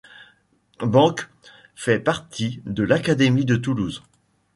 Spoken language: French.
Benque fait partie de l'académie de Toulouse.